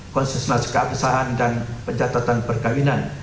konsesional sekat pesahan dan pencatatan perkahwinan